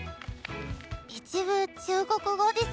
一部中国語ですが。